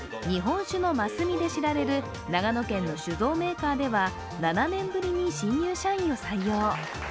日本酒の真澄で知られる長野県の酒造メーカーでは７年ぶりに新入社員を採用。